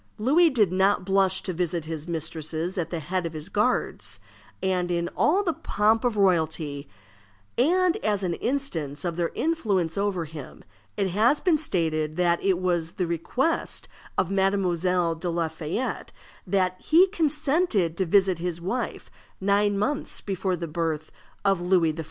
Louis did not blush to visit his mistresses at the head of his guards, and in all the pomp of royalty; and, as an instance of their influence over him, it has been stated that it was at the request of Mademoiselle de la Fayette that he consented to visit his wife nine months before the birth of Louis XIV.